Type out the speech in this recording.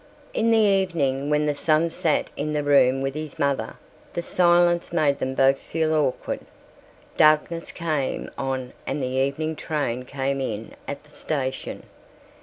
In the evening when the son sat in the room with his mother, the silence made them both feel awkward. Darkness came on and the evening train came in at the station.